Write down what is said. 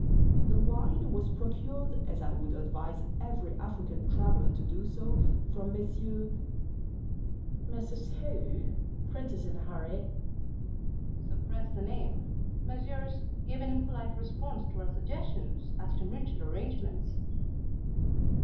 The wine was procured, as I would advise every African traveller to do, from Messrs. . Messrs. Who? Printers in a hurry. PUBLISHER. Suppressed the name. Messrs. gave an impolite response to our suggestions as to mutual arrangements.